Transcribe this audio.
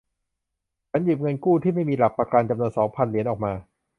ฉันหยิบเงินกู้ที่ไม่มีหลักประกันจำนวนสองพันเหรียญออกมา